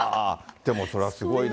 でもそれはすごいな。